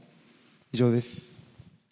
以上です。